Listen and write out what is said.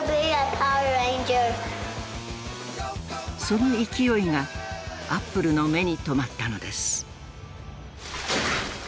その勢いがアップルの目に留まったのです。